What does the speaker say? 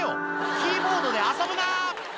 キーボードで遊ぶな！」